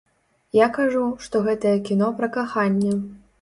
Я кажу, што гэтае кіно пра каханне.